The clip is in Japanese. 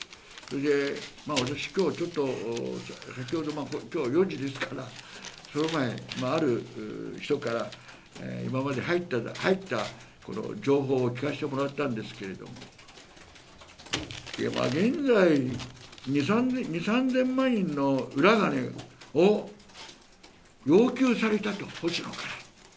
私、今日、４時ですから、その前にある人から今まで入った情報を聞かせてもらったんですけれども、現在、２０００３０００万円の裏金を要求されたと、星野から。